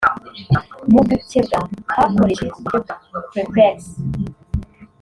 Mu gukebwa hakoreshejwe uburyo bwa prepex